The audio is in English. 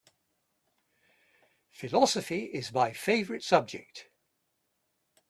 Philosophy is my favorite subject.